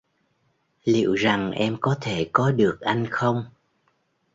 Liệu rằng em có thể có được anh không